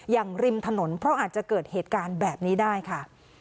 ริมถนนเพราะอาจจะเกิดเหตุการณ์แบบนี้ได้ค่ะ